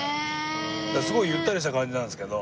だからすごいゆったりした感じなんですけど。